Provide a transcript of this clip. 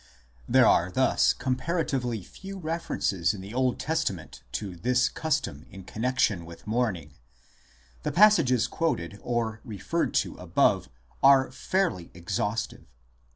There are thus comparatively few references in the Old Testament to this custom in connexion with mourning ; the passages quoted or referred to above are fairly exhaus tive.